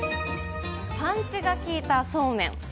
パンチがきいたそうめん。